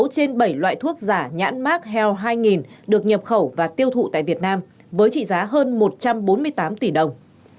sáu trên bảy loại thuốc giả nhãn mát heo hai được nhập khẩu và tiêu thụ tại việt nam với trị giá hơn một trăm bốn mươi tám tỷ đồng